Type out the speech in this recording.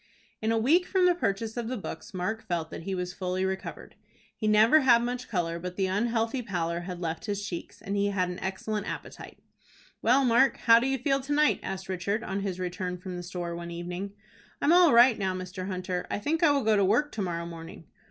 In a week from the purchase of the books, Mark felt that he was fully recovered. He never had much color, but the unhealthy pallor had left his cheeks, and he had an excellent appetite. "Well, Mark, how do you feel to night?" asked Richard, on his return from the store one evening. "I'm all right, now, Mr. Hunter. I think I will go to work to morrow morning."